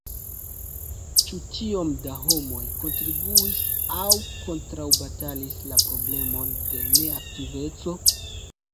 Ĉu tiom da homoj kontribuis aŭ kontraŭbatalis la problemon de neaktiveco?